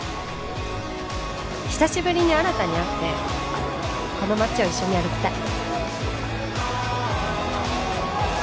「久しぶりに新に会ってこの街を一緒に歩きたい」